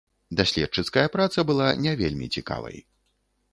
Даследчыцкая праца была не вельмі цікавай.